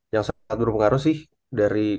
yang sangat berpengaruh sih dari